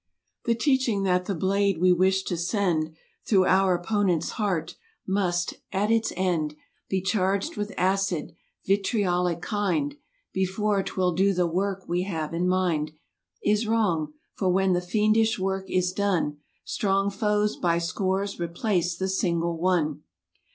The teaching that the blade we wish to send Through our opponent's heart, must, at its end Be charged with acid—vitriolic kind— Before 'twill do the work we have in mind— Is wrong, for when the fiendish work is done, Strong foes by scores replace the single one.